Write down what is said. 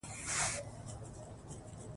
اداره د خلکو د باور ساتلو هڅه کوي.